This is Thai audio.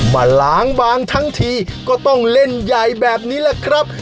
มาล้างบางทั้งทีก็ต้องเล่นใหญ่แบบนี้แหละครับ